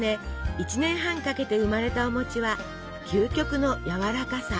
１年半かけて生まれたお餅は究極のやわらかさ。